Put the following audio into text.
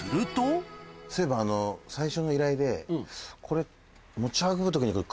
そういえば最初の依頼でこれ。